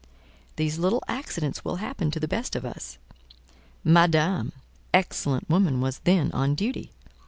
These little accidents will happen to the best of us. Madame—excellent woman! was then on duty.